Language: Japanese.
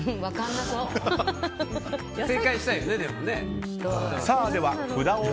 正解したいですよね、でも。